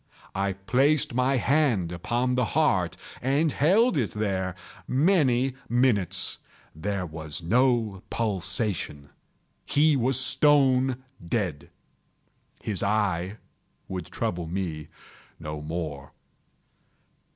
I placed my hand upon the heart and held it there many minutes. There was no pulsation. He was stone dead. His eye would trouble me no more.